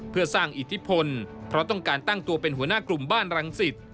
เพื่อสร้างอิทธิพลเพราะต้องการตั้งตัวเป็นหัวหน้ากลุ่มบ้านรังสิต